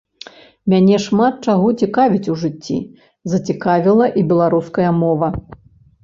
Мяне шмат чаго цікавіць у жыцці, зацікавіла і беларуская мова.